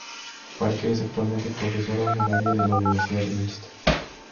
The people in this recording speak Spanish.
Parker es actualmente Profesora Honoraria de la Universidad de Manchester.